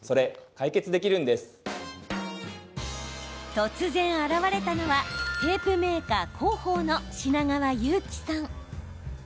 突然、現れたのはテープメーカー広報の品川雄紀さん。